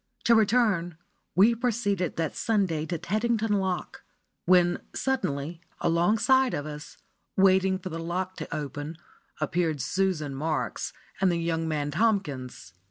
To return, we proceeded that Sunday to Teddington Lock, when suddenly, alongside of us, waiting for the lock to open, appeared Susan Marks and the young man Tomkins.